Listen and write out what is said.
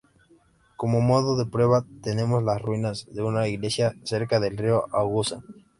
Como modo de prueba tenemos las ruinas de una iglesia cerca del río Agusan.